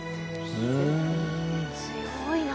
強いな！